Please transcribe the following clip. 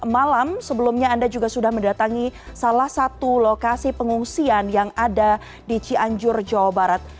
malam sebelumnya anda juga sudah mendatangi salah satu lokasi pengungsian yang ada di cianjur jawa barat